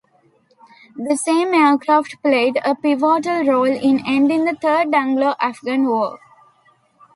The same aircraft played a pivotal role in ending the Third Anglo-Afghan War.